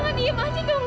saya bukan pencuri